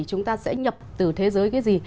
chúng ta sẽ nhập từ thế giới cái gì